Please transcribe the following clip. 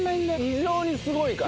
異常にすごいから。